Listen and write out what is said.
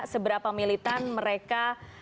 seberapa militan mereka